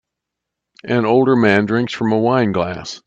An older man drinks from a wineglass.